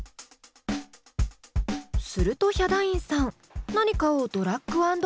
するとヒャダインさん何かをドラッグ＆ドロップ。